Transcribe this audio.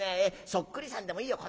そっくりさんでもいいよ。